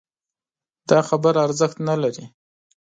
دا خبره ارزښت نه لري